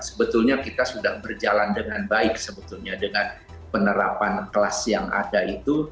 sebetulnya kita sudah berjalan dengan baik sebetulnya dengan penerapan kelas yang ada itu